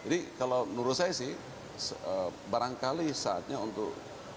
jadi kalau menurut saya sih barangkali saatnya untuk